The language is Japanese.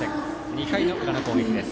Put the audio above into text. ２回の裏の攻撃です。